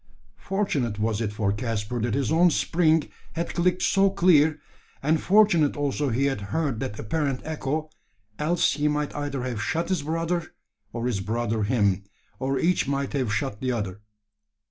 Fortunate was it for Caspar that his own spring had clicked so clear and fortunate also he had heard that apparent echo else he might either have shot his brother, or his brother him, or each might have shot the other!